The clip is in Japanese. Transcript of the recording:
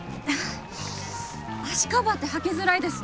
足カバーって履きづらいですね。